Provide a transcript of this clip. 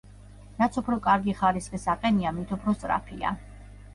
რაც უფრო კარგი ხარისხის აყენია, მით უფრო სწრაფია.